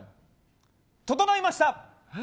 整いました。